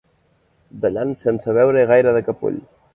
Dallant sense veure-hi gaire de cap ull.